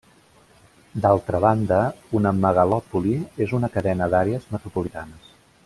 D'altra banda, una megalòpoli és una cadena d'àrees metropolitanes.